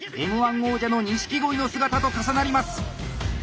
Ｍ−１王者の錦鯉の姿と重なります。